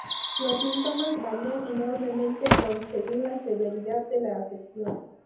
Los síntomas varían enormemente con según la severidad de la afección.